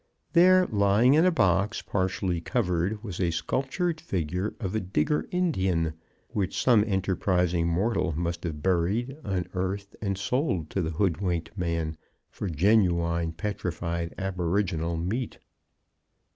There lying in a box partially covered was a sculptured figure of a Digger Indian, which some enterprising mortal must have buried, unearthed, and sold to the hoodwinked man, for genuine petrified aboriginal meat.